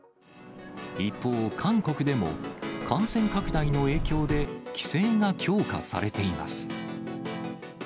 一方、韓国でも、感染拡大の影響で、規制が強化されています。